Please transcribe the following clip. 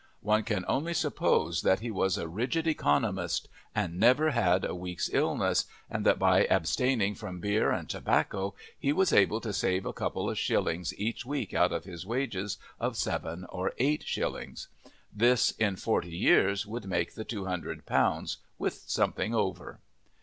One can only suppose that he was a rigid economist and never had a week's illness, and that by abstaining from beer and tobacco he was able to save a couple of shillings each week out of his wages of seven or eight shillings; this, in forty years, would make the two hundred pounds with something over.